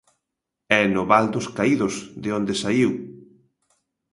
E no Val dos Caídos de onde saíu.